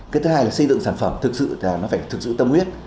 cái thứ hai là xây dựng sản phẩm thực sự là nó phải thực sự tâm huyết